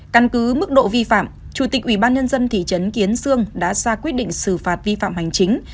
căn cứ mức độ vi phạm chủ tịch ubnd thị trấn kiến sương đã ra quyết định xử phạt vi phạm hành chính